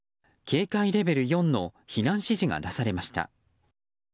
警戒レベル４の避難指示が出されました。